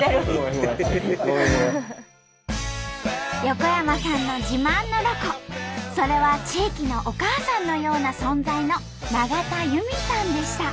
横山さんの自慢のロコそれは地域のお母さんのような存在の永田由美さんでした。